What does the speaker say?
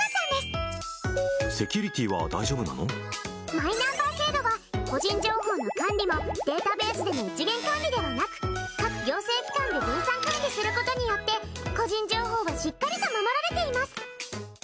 マイナンバー制度は個人情報の管理もデータベースでの一元管理ではなく各行政機関で分散管理することによって個人情報がしっかりと守られています。